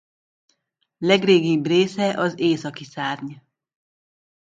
Legrégibb része az északi szárny.